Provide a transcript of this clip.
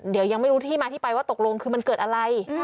เดี๋ยวยังไม่รู้ที่มาที่ไปว่าตกลงคือมันเกิดอะไร